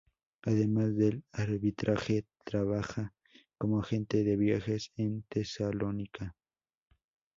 Además del arbitraje trabaja como agente de viajes en Tesalónica.